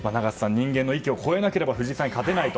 人間の域を越えなければ藤井さんに勝てないと。